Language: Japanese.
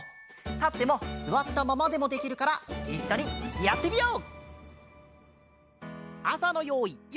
たってもすわったままでもできるからいっしょにやってみよう！